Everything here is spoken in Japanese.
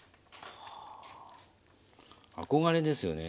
憧れですよね